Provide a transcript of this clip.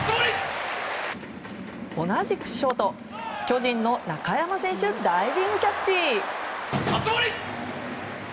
同じくショート巨人の中山選手ダイビングキャッチ。